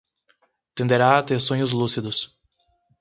Tenderá a ter sonhos lúcidos